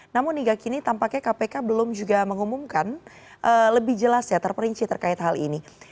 namun hingga kini tampaknya kpk belum juga mengumumkan lebih jelas ya terperinci terkait hal ini